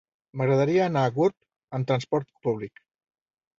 M'agradaria anar a Gurb amb trasport públic.